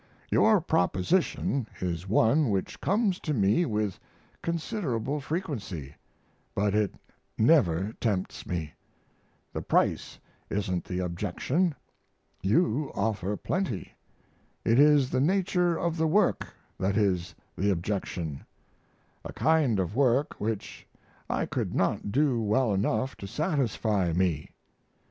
Your proposition is one which comes to me with considerable frequency, but it never tempts me. The price isn't the objection; you offer plenty. It is the nature of the work that is the objection a kind of work which I could not do well enough to satisfy me.